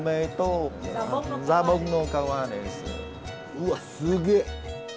うわっすげえ。